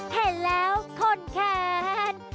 อ๋อเห็นแล้วคนแทน